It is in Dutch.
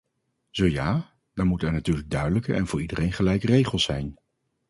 Zo ja, dan moeten er natuurlijk duidelijke en voor iedereen gelijke regels zijn.